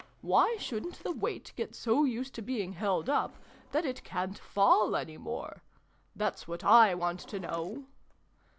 Why shouldn't the weight get so used to being held up, that it ca'n't fall any more ? That's what / want to know